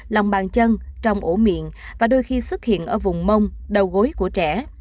lòng bàn chân trong ổ miệng và đôi khi xuất hiện ở vùng mông đầu gối của trẻ